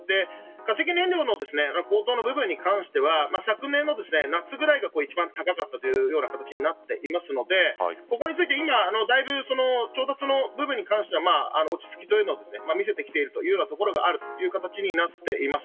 化石燃料の高騰の部分に関しては昨年の夏ぐらいが一番高かったという形になっていますのでそこについて今、だいぶ調達の部分は落ち着きを見せているというところがあると思います。